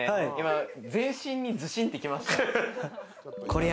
全身にズシンときました。